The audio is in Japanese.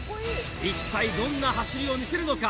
一体どんな走りを見せるのか？